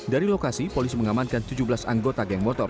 dari lokasi polisi mengamankan tujuh belas anggota geng motor